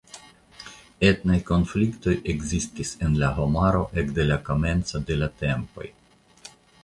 Etnaj konfliktoj ekzistis en la homaro ekde la komenco de la tempoj.